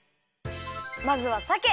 まずはさけ。